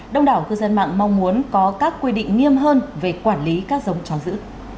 đông đảo cư dân mạng mong muốn có các quy định nghiêm hơn về quản lý các giống chó giữ